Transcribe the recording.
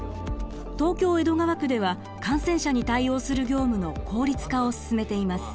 東京・江戸川区では感染者に対応する業務の効率化を進めています。